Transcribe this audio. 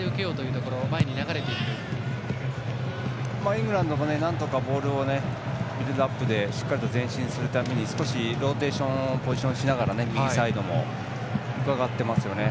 イングランドもなんとかボールをビルドアップでしっかり前進するためにローテーションでポジションしながら右サイドも加わっていますよね。